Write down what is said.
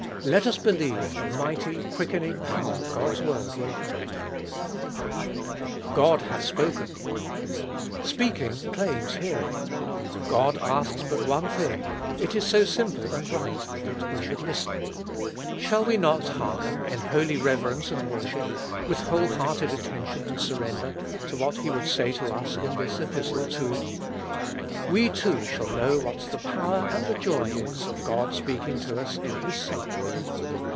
Let us believe the mighty, quickening power God's word will have. God hath spoken! Speaking claims hearing. God asks but one thing ; it is so simple and right ; that we should listen. Shall we not hearken, in holy reverence and worship, with whole hearted attention and surrender, to what He would say to us in this Epistle too? We too shall know what the power and the joy is of God speaking to us in His Son.